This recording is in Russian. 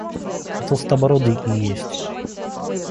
Толстобородый и есть.